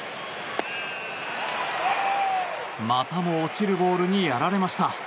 またも落ちるボールにやられました。